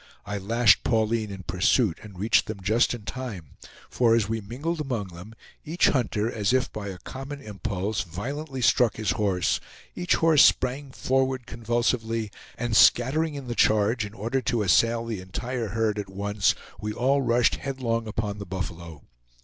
I lashed Pauline in pursuit and reached them just in time, for as we mingled among them, each hunter, as if by a common impulse, violently struck his horse, each horse sprang forward convulsively, and scattering in the charge in order to assail the entire herd at once, we all rushed headlong upon the buffalo.